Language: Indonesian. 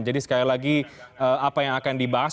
jadi sekali lagi apa yang akan dibahas